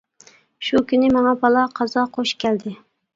شۇ كۈنى ماڭا بالا-قازا قوش كەلدى.